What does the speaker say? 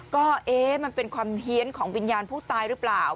ก็เอ๊ะมันเป็นความเฮียนของวิญญาณผู้ตายหรือเปล่า